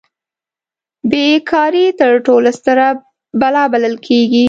بې کاري تر ټولو ستره بلا بلل کیږي.